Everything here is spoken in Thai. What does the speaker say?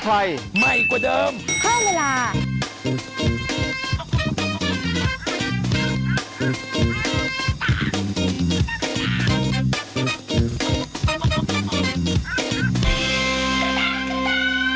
กลับมากลับมา